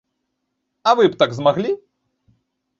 А вы б так змаглі?